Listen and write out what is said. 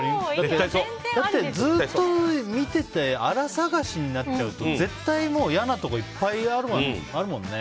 だって、ずっと見てて粗探しになっちゃうと絶対、嫌なところいっぱいあるもんね。